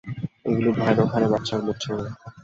ওগুলো ভয়ানকহারে বাড়ছে, আর মরছেও না।